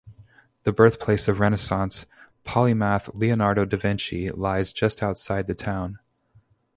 The birthplace of Renaissance polymath Leonardo da Vinci lies just outside the town.